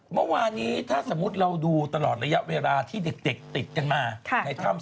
เมื่อวานพี่หนูคุณแม่เห็นไหม